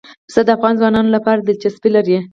پسه د افغان ځوانانو لپاره دلچسپي لري.